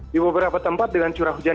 di beberapa tempat dengan curah hujan